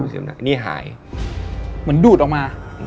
พี่เราบรรณาการนี้หาย